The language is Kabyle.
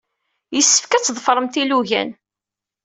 Yessefk ad tḍefremt ilugan.